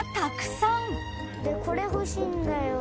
これ欲しいんだよ。